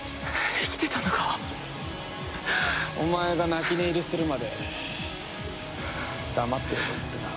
お前が泣き寝入りするまで黙ってようと思ってな。